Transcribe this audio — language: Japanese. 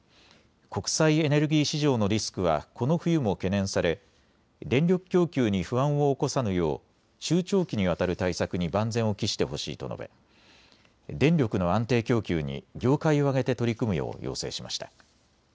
国際エネルギー市場のリスクはこの冬も懸念され電力供給に不安を起こさぬよう中長期にわたる対策に万全を期してほしいと述べ、電力の安定供給に業界を挙げて取り組むよう要請しました。